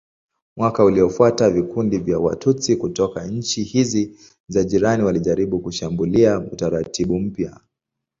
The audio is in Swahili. Mwaka uliofuata vikundi vya Watutsi kutoka nchi hizi za jirani walijaribu kushambulia utaratibu mpya.